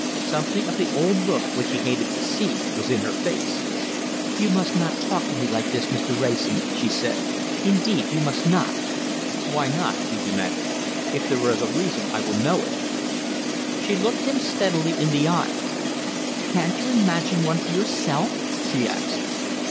Something of the old look, which he hated so to see, was in her face. "You must not talk to me like this, Mr. Wrayson," she said. "Indeed you must not." "Why not?" he demanded. "If there is a reason I will know it." She looked him steadily in the eyes. "Can't you imagine one for yourself?" she asked.